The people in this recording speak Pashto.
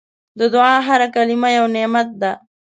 د دعا هره کلمه یو نعمت ده.